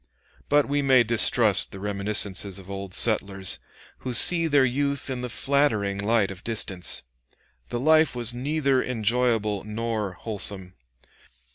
But we may distrust the reminiscences of old settlers, who see their youth in the flattering light of distance. The life was neither enjoyable nor wholesome.